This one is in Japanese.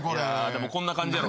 でもこんな感じやろ。